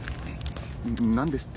何ですって？